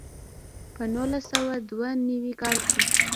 په نولس سوه دوه نوي کال کې.